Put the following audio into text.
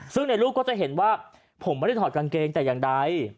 ซึ่งในรูปก็จะเห็นว่าผมไม่ได้ถอดกางเกงแต่อย่างใด